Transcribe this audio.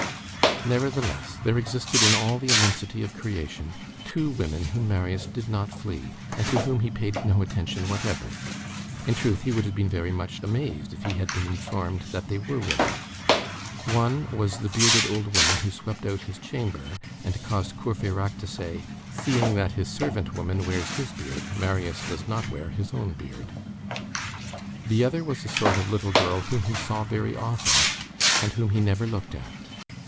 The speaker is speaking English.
Nevertheless, there existed in all the immensity of creation, two women whom Marius did not flee, and to whom he paid no attention whatever. In truth, he would have been very much amazed if he had been informed that they were women. One was the bearded old woman who swept out his chamber, and caused Courfeyrac to say: "Seeing that his servant woman wears his beard, Marius does not wear his own beard." The other was a sort of little girl whom he saw very often, and whom he never looked at.